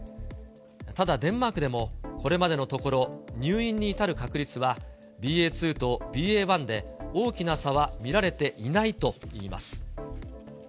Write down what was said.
ただ、デンマークでも、これまでのところ入院に至る確率はＢＡ．２とＢＡ．１で、大きな差は見られていないといいます。